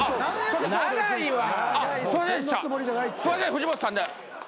それで藤本さんね。